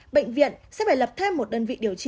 bệnh viện sẽ phải lập thêm một đơn vị điều trị